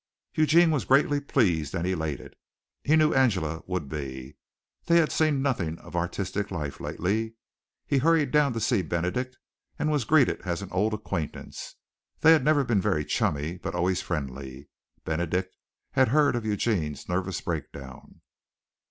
Eugene was greatly pleased and elated. He knew Angela would be. They had seen nothing of artistic life lately. He hurried down to see Benedict and was greeted as an old acquaintance. They had never been very chummy but always friendly. Benedict had heard of Eugene's nervous breakdown.